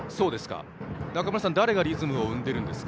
中村さん、誰がリズムをとっているんですか。